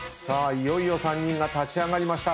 いよいよ３人が立ち上がりました。